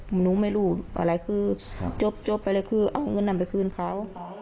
หนูไม่รู้อะไรคือจบไปเลยคือเอาเงินนั้นไปคืนเขา